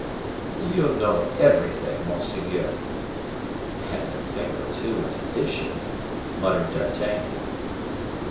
"You know everything, monseigneur!" "And a thing or two in addition," muttered D'Artagnan.